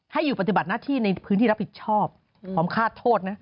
ให้อยู่ปฏิบัติหน้าที่ในพื้นที่รับผิดชอบพร้อมฆาตโทษนะ